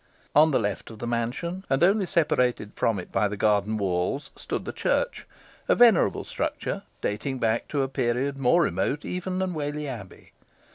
On the left of the mansion, and only separated from it by the garden walls, stood the church, a venerable structure, dating back to a period more remote even than Whalley Abbey.